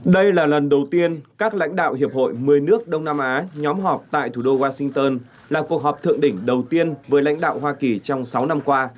đây là lần đầu tiên các lãnh đạo hiệp hội một mươi nước đông nam á nhóm họp tại thủ đô washington là cuộc họp thượng đỉnh đầu tiên với lãnh đạo hoa kỳ trong sáu năm qua